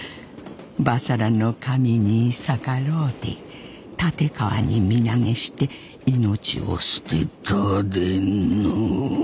婆娑羅の神に逆ろうて堅川に身投げして命を捨てたでの。